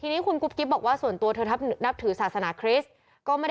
ดูนี่